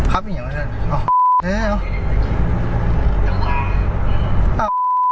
เอ้า